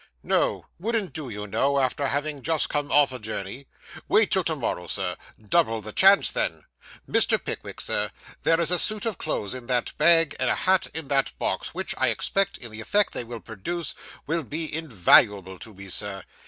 'No; wouldn't do, you know, after having just come off a journey. Wait till to morrow, sir; double the chance then. Mr. Pickwick, Sir, there is a suit of clothes in that bag, and a hat in that box, which, I expect, in the effect they will produce, will be invaluable to me, sir.